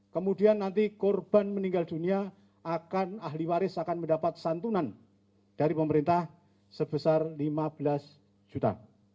kemudian nanti korban meninggal dunia akan ahli waris akan mendapat santunan dari pemerintah sebesar lima belas juta